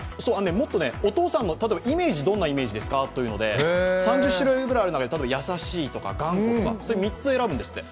もっとお父さんのイメージどんなイメージですかというので３０種類以上ある中で、優しいとか、頑固とか、３つ選ぶんですって。